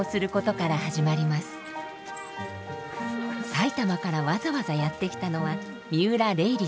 埼玉からわざわざやって来たのは三浦礼璃さん。